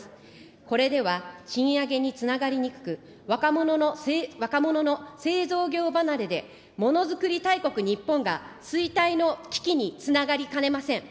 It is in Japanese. これでは賃上げにつながりにくく、若者の製造業離れでものづくり大国日本が衰退の危機につながりかねません。